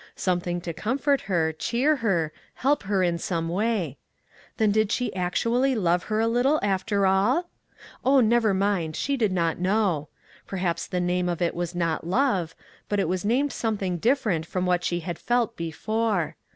Something to comfort her, cheer her, help her in some way. Then did she actually love her a little, after all ? Oh, never mind, she did not know; perhaps the name of it was not " love," but it was named something different from what she had felt before.